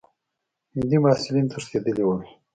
هندي محصلین تښتېدلي ول.